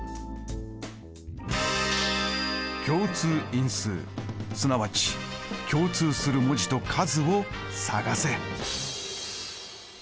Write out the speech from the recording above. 共通因数すなわち共通する文字と数を探せ。